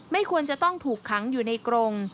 ควรจะต้องถูกขังอยู่ในกรง